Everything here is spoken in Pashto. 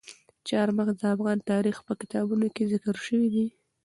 چار مغز د افغان تاریخ په کتابونو کې ذکر شوی دي.